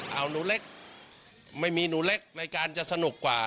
เอาหนูเล็กไม่มีหนูเล็กในการจะสนุกกว่า